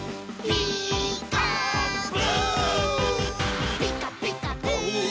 「ピーカーブ！」